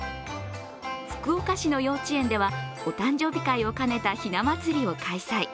福岡市の幼稚園ではお誕生日会を兼ねたひな祭りを開催。